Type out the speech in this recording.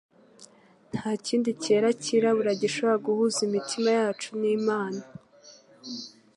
Nta kindi cyera cyirabura gishobora guhuza imitima yacu n'Imana,